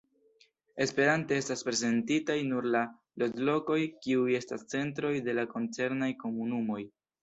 Esperante estas prezentitaj nur la loĝlokoj, kiuj estas centroj de la koncernaj komunumoj.